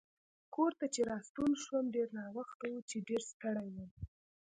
کور ته چې راستون شوم ډېر ناوخته و چې ډېر ستړی وم.